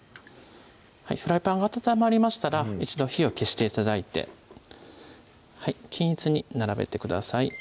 フライパンが温まりましたら一度火を消して頂いて均一に並べてください